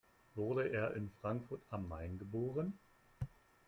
Wurde er in Frankfurt am Main geboren?